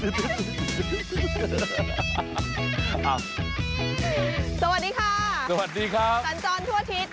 เฮ้ยเฮ้ยเฮ้ยเฮ้ยเฮ้ยเฮ้ยเฮ้ยเฮ้ยเฮ้ยเฮ้ย